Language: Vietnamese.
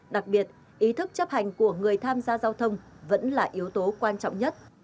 đặc biệt ý thức chấp hành của người tham gia giao thông vẫn là yếu tố quan trọng nhất